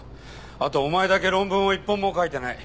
あとお前だけ論文を一本も書いてない。